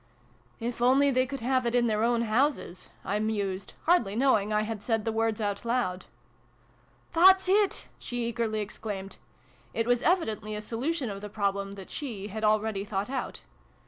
" If only they could have it in their own houses " I mused, hardly knowing I had said the words out loud. " That's it !" she eagerly exclaimed. It was evidently a solution, of the problem, that she had already thought out.